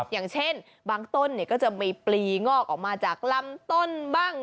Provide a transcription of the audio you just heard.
อย่างเช่นบางต้นก็จะมีปลีงอกออกมาจากลำต้นบ้าง